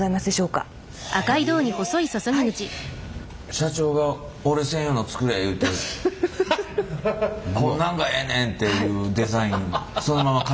社長が俺専用のつくれ言うてこんなんがええねんっていうデザインそのまま形にした。